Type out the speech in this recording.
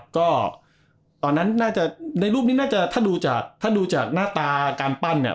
ก็ตอนนั้นน่าจะในรูปนี้ถ้าดูจากหน้าตาการปั้นเนี่ย